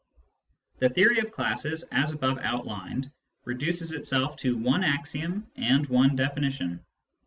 The theory of classes, as above outlined, reduces itself to one axiom and one definition.